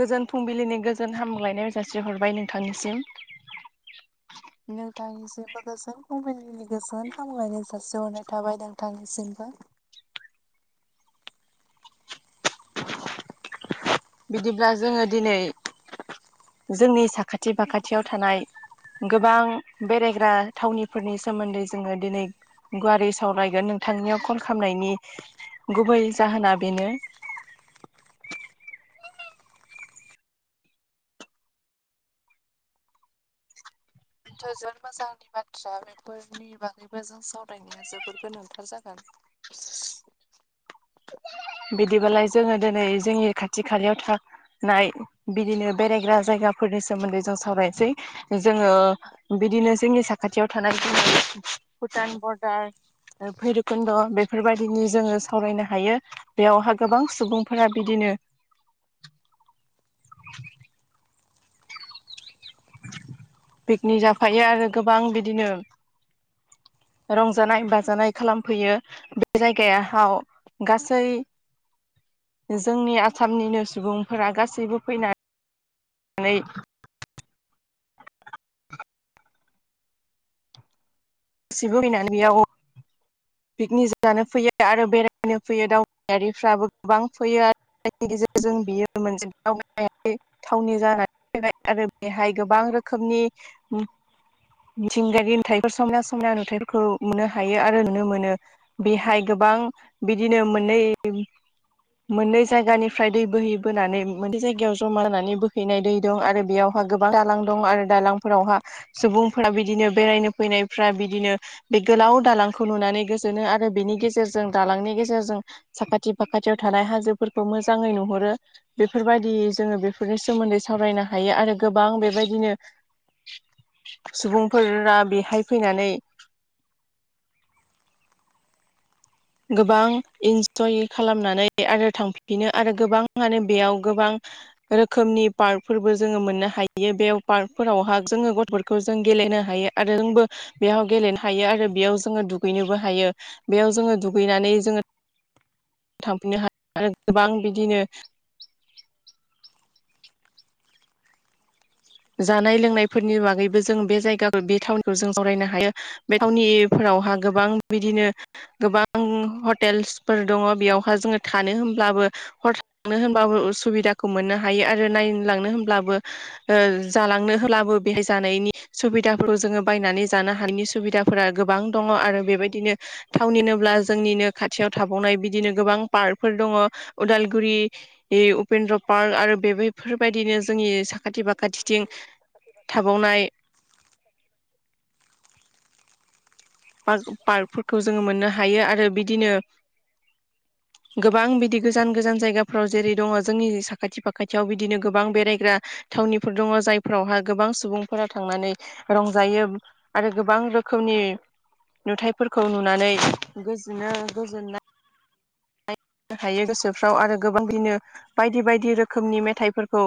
गोजोन फुंबिलिनि गोजोन हामग्लायनायाव जासिहरबाय नोंथांनिसिम। नोंथांनिसिमबो गोजोन फुंबिलिनि गोजोन हामलायनाय जासिहरनाय थाबाय नोंथांनिसिमबो। बिदिब्ला जोङो दिनै जोंनि साखाथि फाखाथियाव थानाय गोबां बेरायग्रा थावनिफोरनि सोमोन्दै जोङो दिनै गुवारै सावरायगोन नोंथांनियाव कल खालामामनायनि गुबै जाहोना बेनो। थोजोर मोजांनि बाथ्रा बेफोरनि बागैबो जों सावरायनाया जोबोर गोनांथार जागोन। बिदिबालाय जोङो दिनै जोंनि खाथि खालयाव था नाय बिदिनो बेरायग्रा जायगाफोरनि सोमोन्दै जों सावरायनोसै। जोङो बिदिनो जोंनि साखाथियाव थानाय जङो भुटान बरडार आरो भैरब कुन्द बेफोर बेफोरयादिनि जोङो सावरायनो हायो। बेयावहा गोबां सुबुंफोरा बिदिनो पिकनिक जाफायो आरो गोबां बिदिनो रंजानाय बाजानाय खालामफैयो बे जायगाया हाव गासै जोंनि आसामनिनो सुबुंफोरा गासैबो फैना नै गासिबो फैनानै बेयाव पिकनिक जानो फैयो आरो बेरायनो फैयो दावबायारिफ्राबो गोबां फैयो आरो जायनि गेजेरजों बियो मोनसे दाव बायनाय थावनि जानानै फैबाय आरो बेहाय गोबां रोखोमनि मिथिंगायारि नुथायफोर समना समना नुथायफोरखौ नुनो हायो आरो नुनो मोन नो बेहाय गोबां बिदिनो मोननै मोननै जायगानिफ्राय दै बोहैबोनानै मोनसे जायगायाव जमा जानानै बोहैनाय दै दं आरो बेयाव गोबां दालां दं आरो दालांफोरावहा सुबुंफोरा बिदिनो बेरायनो फैनायफ्रा बिदिनो बे गोलाव दालांखौ नुनानै गो जोनो आरो बेनि गेजेरजों दालांनि गेजेरजों साखाथि फाखाथियाव थानाय हाजोफोरखौ मोजाङै नुहरो। बेफोरबायदि जोङो बेफोरनि सोमोन्दै सावरायनो हायो आरो गोबां बेबायदिनो सुबुंफोरा बेहाय फैनानै गोबां इन्जय खालामनानै आरो थांफिफिनो आरो गोबाङानो बेयाव गोबां रोखोमनि पार्कफोरबो जोङो मोननो हायो बे पार्कफोरावह जोङो गथ'फोर खौ जों गेलेहोनो हायो आरो जोंबो बेयाव गेलेनो हायो आरो जोङो दुगैनोबो हायो। बेयाव जोङो दुगैनानै जोङो थांफिनो [unintelligible] आरो गोबां बिदिनो जानाय लोंनायफोरनि बागैबो जों बे जायगा बे थावउनिखौ जों जावरायनो हायो। बे थावनिफोरावहा गोबां बिदिनो गोबां हटेलसफोर दङ बेयावहाय जोङो थानो होमब्लाबो हर थानो होनबाबो उसुबिदाखौ मोननो हायो आरो नायलांनो होनब्लाबो ओ जालांनो होलाबो बेहाय जानायनि सुबिदाफोरखौ जोङो बायनानै जानो हानायनि सुबिदा फोरा गोबां दङ आरो बेबायदिनो थावनिनोब्ला जोंनिनो खाथियाव थाबावनाय बिदिनो गोबां पार्कफोर दङ उदालगुरि उपेन्द्र पार्क आरो बेबाय फोरबायदिनो जोंनि साखाथि फाखाथिथिं थाबावनाय पार्कफोरखौ जोङो मोननो हायो आरो बिदिनो। गोबां बिदि गोजान गोजान जायगाफ्राव जेरै दङ जोंनि साखाथि फाखाथियाव बिदिनो गोबां बेरायग्रा थावनिफोर दङ जायफोरावहा गोबां सुबुंफोरा थांनानै रंजायो। आरो गोबां रोखोमनि नुथायफोरखौ नुनानै गोजोनो गोजोननाय। हायो गोसोफ्राव आरो गोबांदिनो बायदि बायदि रोखोमनि मेथाइफोरखौ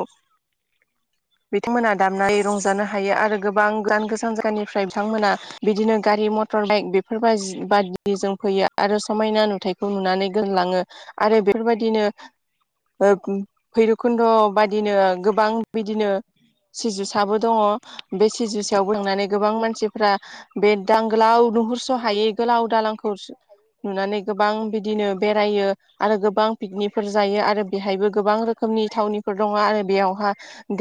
बिथांमोना दामनानै रंजानो हायो आरो गोबां गोदान गोजान जायगानिफ्राय बिथांमोना बिदिनो गारि मथर प्रडाक्ट बेफोरबादि बादि जों फैयो आरो समायना नुथायाइखौ नुनानै दोनलाङो। आरो बेफोरबायदिनो भैरबखुन्द' बादिनो गोबां बिदिनो सिजु साबो दङ बे सिजु सायाव बांनानै गोबां मानसिफ्रा बे दां गोलाव नुहुरस' हायै गोलाव दालांखौ नुनानै गोबां बिदिनो बेरायो। आरो गोबां पिकनिकफोर जायो आरो बेहायबो गोबां रोखोमनि थावनिफोर दङ आरो बेयावहा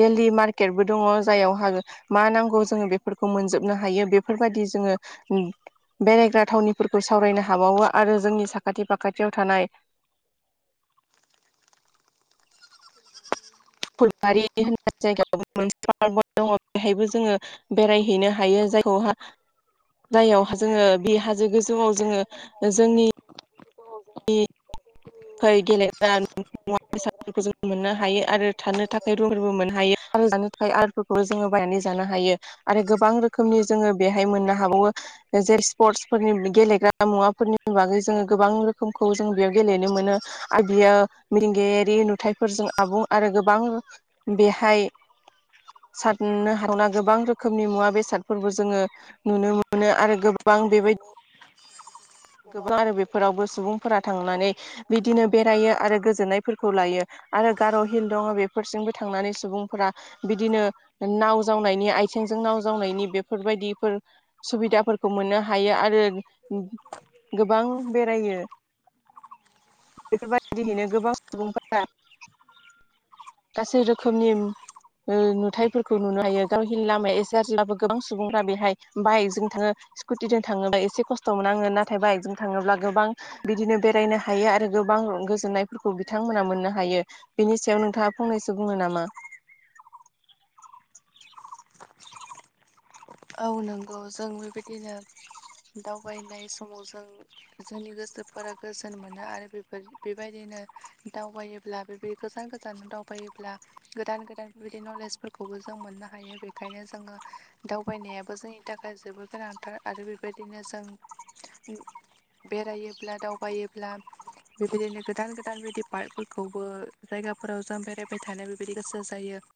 दिली मार्केटबो दङ जाययाव हाजो मा नांगौ जोङो बेफोरखौ मोनजोबनो हायो बेफोरबायदि जोङो बेरायग्रा थावनिफोरखौ सावरायनो हाबावो आरो जोंनि साखाथि फाखाथियाव थानाय। फुलबारि होननाय जायगायाव मोनसे पार्क दङ। हायबो जोङो बेरायहैनो हायो जायखौहा जायावहा बे हाजो गोजौआव जोङो जोंनि गेलेग्रा मुवा बेसादफोरखौ जों मोननो हायो आरो थानो थाखाय रुमफोरबो मोननो हायो थाखाय आखाय आरफोरखौबो जोङो बायनानै जानो हायो आरो गोबां रोखोमनि जोङो बेहाय मोननो हाबावो। जे स्पर्टसफोरनि गेलेग्रा मुवाफोरनि बागै जोङो गोबां रोखोमखौ जों बेयाव गेलेनो नुनो मोनो आरो बियो मिथिंगायारि नुथायाइफोरजों आबुं आरो गोबां बेहाय सादनो हाथावना गोबां रोखोमनि मुवा बेसादफोरबो जोङो नुनो मोनो आरो गोबां गोबां बेबादि गोबां आरो बेफोरावबो सुबुंफोरा थांनानै बिदिनो बेरायो आरो गोजोननायफोरखौ लायो आरो गार' हिल दङ बेफोरजोंंबो थांनानै सुबुंफोरा बिदिनो नाव जावनायनि आथिंजों नाव जावनायनि बेफोरबायदि फोर सुबिदाफोरखौ मोननो हायो आरो गोबां बेरायो। बेफोरबायदियैनो गोबां सुबुंफोरा गासै रोखोमनि नुथायफोरखौ नुनो हायो गावनि लामाया एसे आरजिब्लाबो गोबां सुबुंफोरा बेहाय बाइकजों थाङो। स्कुटिजों थाङोबा एसे खस्थ'मोन आङो नाथाय बाइकजों थाङोब्ला गोबां बिदिनो बेरायनो हायो आरो गोबां गोजोननायफोरखौ बिथांमोना मोननो हायो। बिनि सायाव नोंथाङा फंनैसो बुङो नामा? औ नंगौ जों बेबायदिनो। दावबायनाय समाव जों जोंनि गोसोफोरा गोजोन मोनो आरो बे। फोर बेबायदिनो दावबायोब्ला बे गोजान गोजान दावबायोब्ला। गोदान गोदान बेबायदि नलेजफोरखौबो जों मोननो हायो बेखायनो जोङो दाउ बायनायाबो जोंनि थाखाय जोबोद गोनांथार आरो बेबायदिनो जों। बेरायोब्ला दावबायोब्ला। बेबायदिनो गोदान गोदान बिदि पार्क फोरखौबो जायगाफोराव जों बेरायबाय थानो बेबायदि गोसो जायो।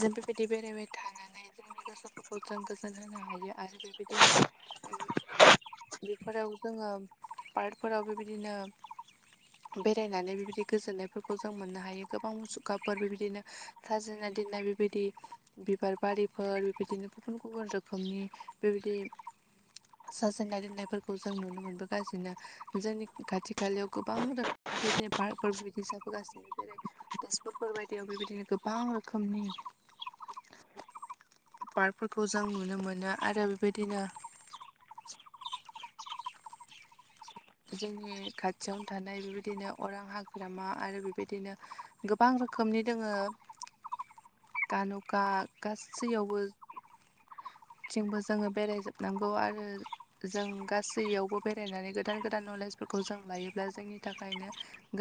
जों बेबायदि बेरायबाय थानानै जोंनि गोसोफोरखौ जों गोजोन होनो हायो आरो बेबायदिनो उम बेफोराव जोङो पार्कफोराव बेबायदिनो बेरायनानै बिबायदि गोजोननायफोरखौ जों मोननो हायो गोबां मुसुखाफोर बेबायदिनो थाजोनानै दिनना बेबायदि बिबार बारिफोर बेबायदिनो गुबुन गुबुन रोखोमनि बेबायदि साजायनाय दोननायफोरखौ जों नुनो मोनबोगासिनो जोंनि खाथि खालायाव गोबां रोखोम [unintelligible] जेरै तेजपुफोर बायदियाव बेबायदिनो गोबां रोखोम खोमनि पार्कफोरखौ जों नुनो मोनो आरो बेबायदिनो जोंनि खाथिआवनो थानाय बेबायदिनो अरां हाग्रामा आरो बेबायदिनो गोबां रोखोमनि दोङो [inaudible] गान'खा गासैयावबो थिंबो जोङो बेराय जोब नांगौ आरो। जों गासैयावबो बेरायनानै गोदान गोदान नलेजफोरखौ जों लायोब्ला जोंनि थाखायनो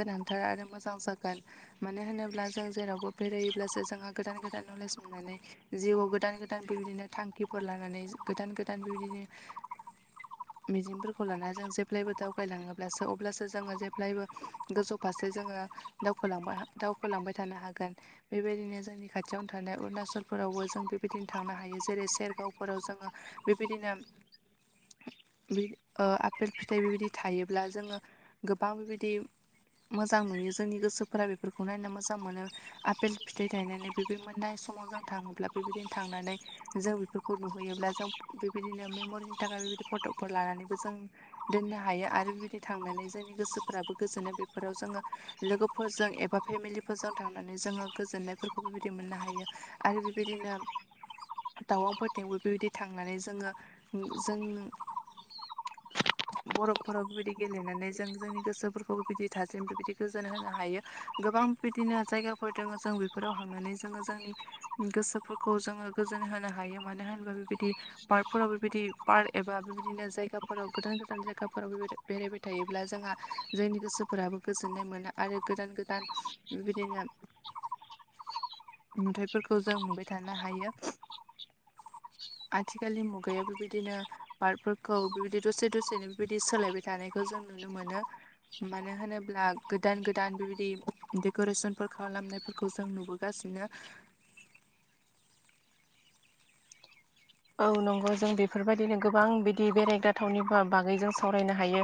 गोनांथार आरो मोजां जागोन। मानो होनोब्ला जों जेरावबो बेरायोब्लासो जोंहा गोदान गोदान नलेज मोननानै जिउआव गोदान गोदान बेबायदिनो थांखिफोर लानानै गोदान गोदान बेबायदिनो मिजिंफोरखौ लानानै जों जेब्लायबो दावगालाङोब्लासो अब्लासो जोङो जेब्लायबो गोजौ फारसे जोङो दावखोलांबाह दावखोलांबाय थानो हागोन। बेबायदिनो जोंनि खाथियावनो थानाय अरुणाचलफोरावबो जों बेबायदिनो थांनो हायो जेरै सेर गावफोराव जोङो बेबायदिनो बि ओ‌ आपेल फिथाइ बेबायदि थायोब्ला जोङो गोबां बेबायदि मोजां नुयो जोंनि गोसोफोरा बेफोरखौ नायनो मोजां मोनो आपेल फिथाइ थाइनानै बेबो मोननाय समाव जों थाङोब्ला बेबायदिनो थांनानै जों बेफो खौ नुहैयोब्ला जों बेबायदिनो मेम'रिनि थाखाय बेबायदि फट'फोर लानानैबो जों दोननो हायो आरो बिबायदि थांनानै जोंनि गोसोफोराबो गोजोनो बेफोराव जोङो लोगोफोरजों एबा फेमिलिफोरजों थांनानै जोङो गोजोननायफोरखौ बेबायदि मोननो हायो आरो बेबायदिनो टावांफोरथिंबो बेबायदि थांनानै जोङो जों [inaudible] बरफ फोराव बेबायदि गेलेनानै जों जोंनि गोसोफोरखौ बिदि थाथिम बेबायदि गोजोन होनो हायो गोबां बिदिनो जायगाफोर दोङो जों बेफोराव हांनानै जोङो जोंनि गोसोफोरखौ जोङो गोजोन होनो हायो। मानो होनबा बेबायदि पार्कफोराव बेबायदि पार्क एबा बेबायदिनो जायगाफोराव गोदान गोदान जायगाफोराव बेबायदि बेरायबाय थायोब्ला जोंहा जोंनि गोसोफोराबो गोजोननाय मोना आरो गोदान गोदान बेबायदिनो नुथायाइफोरखौ जों नुबाय थानो हायो। आथिखालनि मुगाया बेबायदिनो फार्टफोरखौ बेबायदि दसे दसेनो बेबायदि सोलायबाय जानायखौ जों नुनो मोनो। मानो होनोब्ला गोदान गोदान बेबायदि देक'रेसनफोर खालामनायफोरखौ जों नुबो गासिनो औ नंगौ जों बेफोरबायदिनो गोबां बिदि बेरायग्रा थावनि बा बागै जों सावरायनो हायो।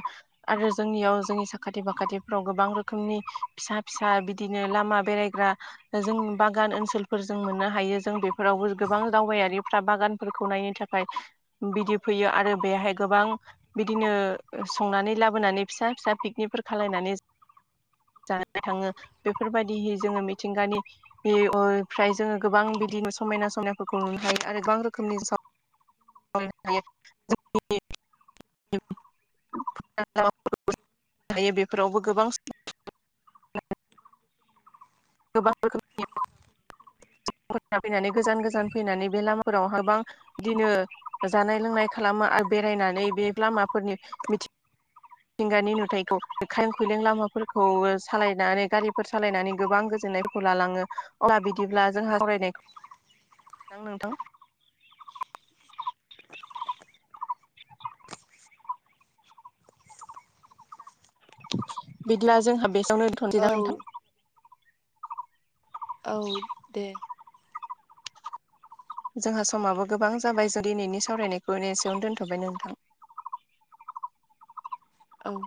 आरो जोंनियाव जोंनि साखाथि बाखाथिफ्राव गोबां रोखोमनि फिसा फिसा बिदिनो लामा बेरायग्रा ओ जों बागान ओनसोलफोरजों मोननो हायो जों बेफोरावबो गोबां दावबायारिफ्रा बागान फोरखौ नायनो थाखाय बिदि फैयो आरो बेहाय गोबां बिदिनो ओ संनानै लाबोनानै फिसा फिसा पिकनिकफोर खालायनानै जानानै थाङो बेफोरबायदिहै जोङो मिथिंगानि बे ओमफ्राय जोङो गोबां बिदिनो समायना समायनाफोरखौ नुनो हायो आरो गोबां रोखोमनि सम [unintelligible] हायो बेफोरावबो गोबां [unintelligible] गोबां रोखोमनिाम [unintelligible] फैनानै गोजान गोजान फैनानै बे लामाफोराव गोबां बिदिनो जानाय लोंनाय खालामो आरो बेरायनानै बे लामाफोरनि मिथि थिंगानि नुथायखौ खायलें खुलयलें लामाफोरखौ सालायनानै गारिफोर सालायनानै गोबां गोजोननाय खौ अब्ला जोंहा फरायनायखौ नोंथां [unintelligible] बिदिब्ला जोंहा बेसआवनो औ दोनथ'सैदां नोंथां? [unintelligible] औ दे। जोंहा समाबो गोबां जाबाय जों दिनैनि सावरायनायखौनो एसेयावनो दोनथ'बाय नोंथां। औ।